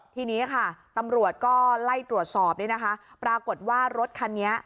ทีนี้ค่ะตำรวจก็ไล่ตรวจสอบนี่นะคะปรากฏว่ารถคันนี้